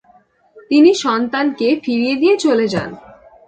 তিনি সন্তানকে ফিরিয়ে দিয়ে চলে যান।